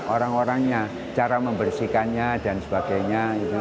orang orangnya cara membersihkannya dan sebagainya